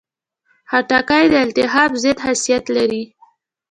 خټکی د التهاب ضد خاصیت لري.